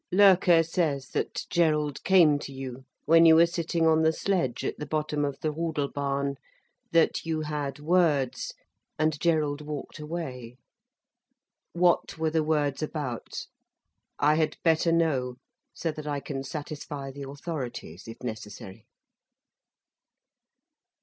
"Loerke says that Gerald came to you, when you were sitting on the sledge at the bottom of the Rudelbahn, that you had words, and Gerald walked away. What were the words about? I had better know, so that I can satisfy the authorities, if necessary."